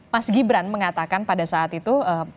mas gibran mengatakan pada saat itu